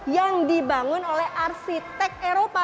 yang dibangun oleh arsitek eropa